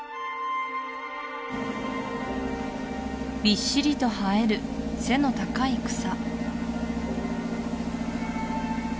びっしりと生える背の高い草